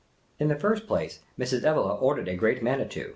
In the first place, Mrs. Evelegh ordered a Great Manitou.